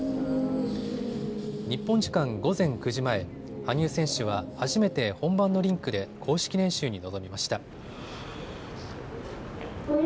日本時間午前９時前、羽生選手は初めて本番のリンクで公式練習に臨みました。